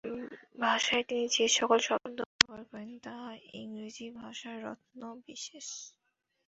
ভাষায় তিনি যে-সকল শব্দ ব্যবহার করেন, তাহা ইংরেজী ভাষার রত্নবিশেষ।